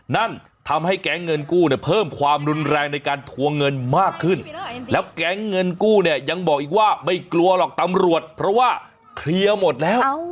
นั่นทำให้แก๊งเงินกู้เนี่ยเพิ่มความรุนแรงในการทวงเงินมากขึ้นแล้วแก๊งเงินกู้เนี่ยยังบอกอีกว่าไม่กลัวหรอกตำรวจเพราะว่าเคลียร์หมดแล้ว